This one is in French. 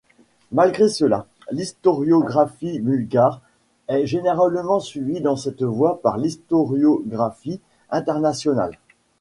Malgré cela, l’historiographie bulgare est généralement suivie dans cette voie par l’historiographie internationale.